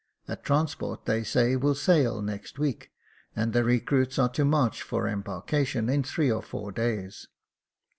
A transport, they say, will sail next week, and the recruits are to march for embarkation in three or four days."